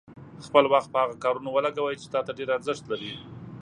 خپل وخت په هغه کارونو ولګوئ چې تا ته ډېر ارزښت لري.